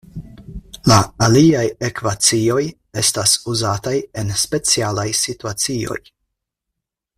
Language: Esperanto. La aliaj ekvacioj estas uzataj en specialaj situacioj.